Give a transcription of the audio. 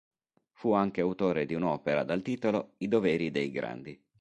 Fu anche autore di un'opera dal titolo: "I doveri dei Grandi".